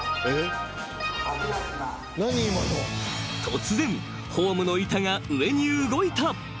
［突然ホームの板が上に動いた！］